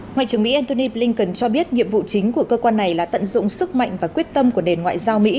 ngoại trưởng mỹ antony blinken cho biết nhiệm vụ chính của cơ quan này là tận dụng sức mạnh và quyết tâm của nền ngoại giao mỹ